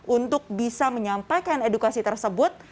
untuk bisa menyampaikan edukasi tersebut